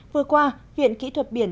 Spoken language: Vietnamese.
vừa qua viện kỹ thuật biển